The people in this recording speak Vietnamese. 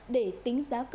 để tính giá xăng nhập lậu